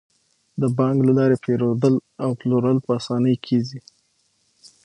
د بانک له لارې پيرودل او پلورل په اسانۍ کیږي.